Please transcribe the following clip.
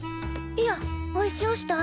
いやおいしおした。